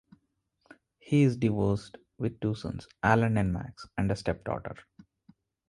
He is divorced, with two sons: Alan and Max, and a stepdaughter.